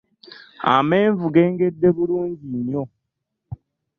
Amenvu gengedde bulungi nnyo.